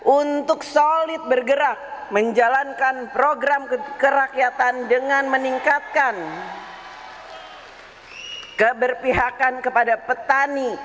untuk solid bergerak menjalankan program kerakyatan dengan meningkatkan keberpihakan kepada petani